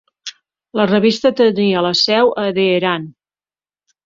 La revista tenia la seu a Teheran.